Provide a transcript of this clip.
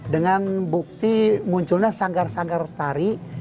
dengan bukti munculnya sanggar sanggar tari